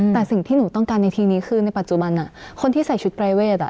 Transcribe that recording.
แต่สิ่งที่หนูต้องการในทีนี้คือในปัจจุบันคนที่ใส่ชุดปรายเวท